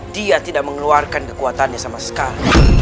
dia tidak mengeluarkan kekuatannya sama sekali